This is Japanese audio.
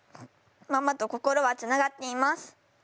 ママと心はつながっています。